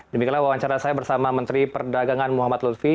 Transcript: demikianlah wawancara saya bersama menteri perdagangan muhammad lutfi